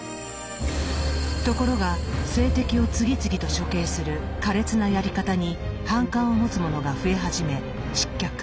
ところが政敵を次々と処刑する苛烈なやり方に反感を持つ者が増え始め失脚。